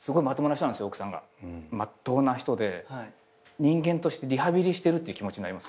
人間としてリハビリしてるって気持ちになります